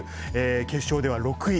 決勝では６位。